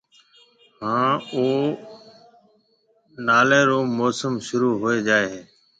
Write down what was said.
ھان اُوناݪيَ رو موسم شروع ھوئيَ جائيَ ھيََََ